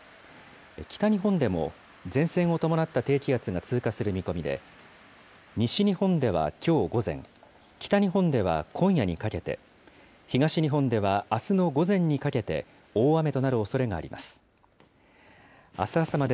北日本でも前線を伴った低気圧が通過する見込みで、西日本ではきょう午前、北日本では今夜にかけて、東日本ではあすの午前にかけて、大雨となるおそれがあります。